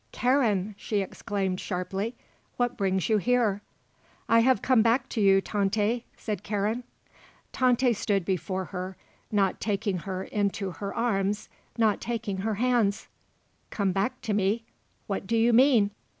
"Karen!" she exclaimed sharply. "What brings you here?" "I have come back to you, Tante," said Karen. Tante stood before her, not taking her into her arms, not taking her hands. "Come back to me? What do you mean?"